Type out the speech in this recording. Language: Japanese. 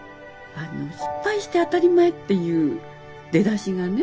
失敗して当たり前っていう出だしがね。